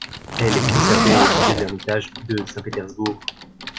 Elle est conservée au Musée de l'Ermitage de Saint-Pétersbourg.